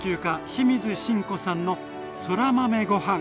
清水信子さんのそら豆ご飯。